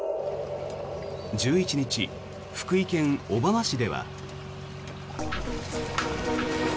１１日、福井県小浜市では。